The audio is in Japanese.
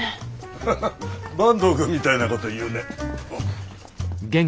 ハハッ坂東くんみたいなこと言うね。